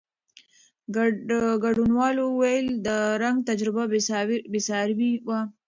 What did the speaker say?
ګډونوالو وویل، د رنګ تجربه بېساري وه.